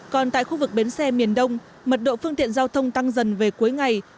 còn tại khu vực bến xe miền đông mật độ phương tiện giao thông tăng dần về cuối ngày